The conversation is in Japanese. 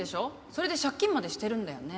それで借金までしてるんだよね？